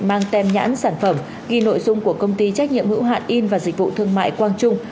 mang tem nhãn sản phẩm ghi nội dung của công ty trách nhiệm hữu hạn in và dịch vụ thương mại quang trung